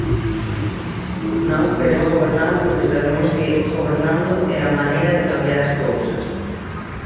Nós queremos gobernar porque sabemos que gobernando é a maneira de cambiar as cousas.